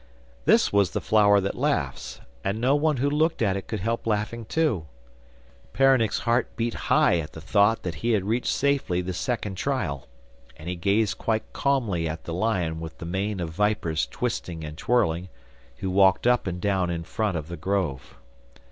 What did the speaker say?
This was the flower that laughs, and no one who looked at it could help laughing too. Peronnik's heart beat high at the thought that he had reached safely the second trial, and he gazed quite calmly at the lion with the mane of vipers twisting and twirling, who walked up and down in front of the grove.